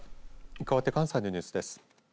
かわって関西のニュースです。